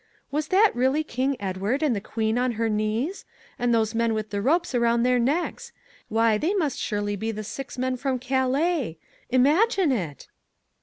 'Was that really King Edward, and the Queen on her knees? And those men with the ropes around their necks? Why they must surely be the six men from Calais ?' Imagine it